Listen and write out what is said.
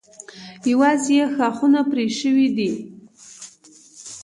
یوازې یې ښاخونه پرې شوي دي.